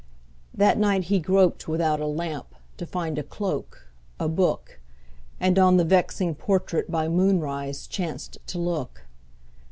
That night he groped without a lamp To find a cloak, a book, And on the vexing portrait By moonrise chanced to look.